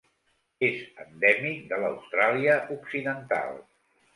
És endèmic de l'Austràlia Occidental.